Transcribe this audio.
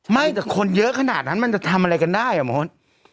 ไม่แต่คนเยอะขนาดนั้นมันจะทำอะไรกันได้อ่ะหมด